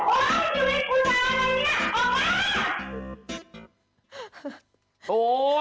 โอ้โห